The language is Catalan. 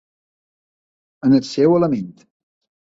En el seu element.